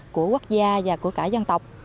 của quốc gia và của cả dân tộc